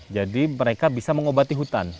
jadi mereka bisa mengobati hutan